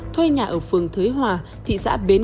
thuê nhà ở phường thới hòa thị xã bến